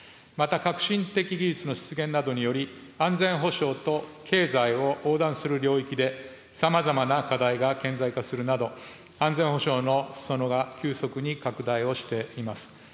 また、革新的技術の出現などにより安全保障と経済を横断する領域で、さまざまな課題が顕在化するなど、安全保障のすそ野が急速に拡大をしています。